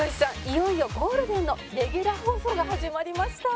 いよいよゴールデンのレギュラー放送が始まりました。